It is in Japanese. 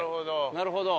なるほど。